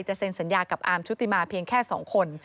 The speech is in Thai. เซ็นสัญญากับอาร์มชุติมาเพียงแค่๒คน